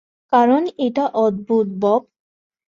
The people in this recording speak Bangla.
কারণ এটা অদ্ভূত, বব।